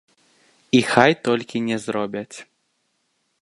І хай толькі не зробяць.